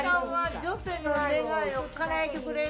女性の願いをかなえてくれる。